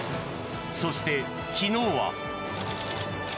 そして昨日は。